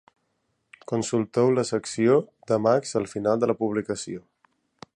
Consulteu la secció d'Emacs al final de la publicació.